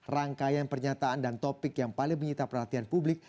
rangkaian pernyataan dan topik yang paling menyita perhatian publik